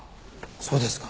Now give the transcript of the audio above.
そうですか。